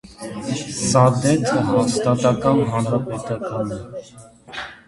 Սադեթը հաստատակամ հանրապետական է։